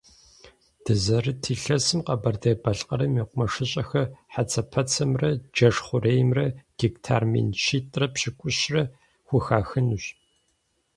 Дызэрыт илъэсым Къэбэрдей-Балъкъэрым и мэкъумэшыщӏэхэм хьэцэпэцэмрэ джэш хъуреймрэ гектар мин щитӏрэ пщыкӏущрэ хухахынущ.